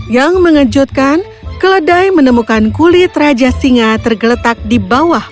yang mengejutkan keledai menemukan kulit raja singa tergeletak di bawah